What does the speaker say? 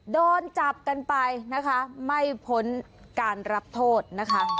โดนจับกันไปนะคะไม่พ้นการรับโทษนะคะ